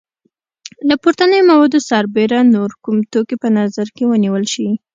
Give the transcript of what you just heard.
له پورتنیو موادو سربیره نور کوم توکي په نظر کې ونیول شي؟